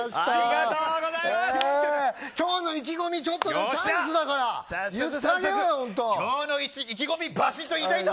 今日の意気込みちょっと。